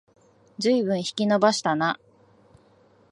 ずいぶん引き延ばしたな